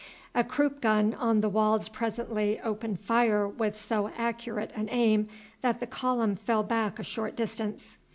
A Krupp gun on the walls presently opened fire with so accurate an aim that the column fell back a short distance.